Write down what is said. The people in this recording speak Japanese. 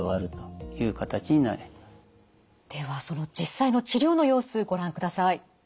ではその実際の治療の様子ご覧ください。